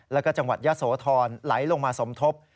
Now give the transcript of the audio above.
และจังหวัดยะสวทรไหลลงมาสมทบ